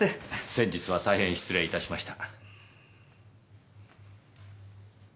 先日は大変失礼いたしました。